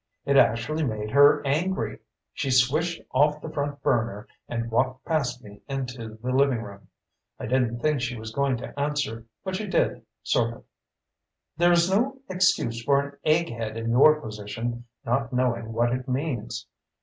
It actually made her angry! She switched off the front burner and walked past me into the living room. I didn't think she was going to answer, but she did sort of. "There is no excuse for an egghead in your position not knowing what it means."